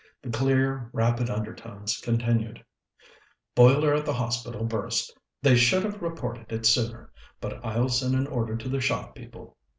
The clear, rapid undertones continued: "Boiler at the Hospital burst; they should have reported it sooner, but I'll send an order to the shop people.